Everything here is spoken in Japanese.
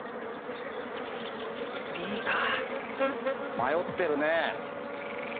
迷ってるね。